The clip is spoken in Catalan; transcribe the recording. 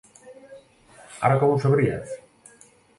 Ara com ho sabries?